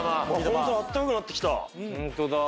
ホントだあったかくなってきた。